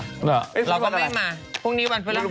เราก็ไม่มาพรุ่งนี้วันพฤษภาพ